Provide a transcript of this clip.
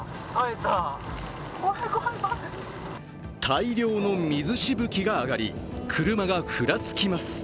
大量の水しぶきが上がり車がふらつきます。